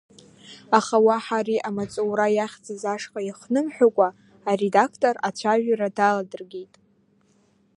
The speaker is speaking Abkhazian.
Аха уаҳа ари амаҵура иахьӡыз ашҟа ихнымҳәыкәа, аредактор ацәажәара даладыргеит.